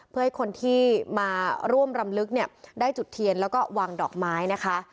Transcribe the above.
เพื่อให้คนที่มาร่วมรำลึกเนี่ยได้จุดเทียนแล้วก็วางดอกไม้นะคะ